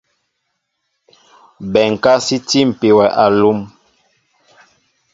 Bɛnká sí tîpi wɛ alúm.